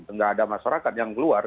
tidak ada masyarakat yang keluar